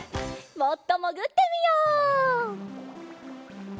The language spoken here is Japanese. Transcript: もっともぐってみよう。